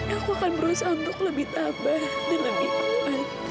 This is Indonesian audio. aku akan merusak untuk lebih tabat dan lebih aman